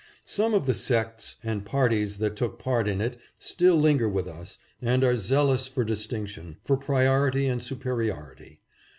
Some of the sects and parties that took part in it still linger with us and are zealous for distinction, for pri ority and superiority.